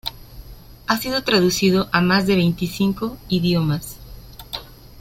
Ha sido traducido a más de veinticinco idiomas.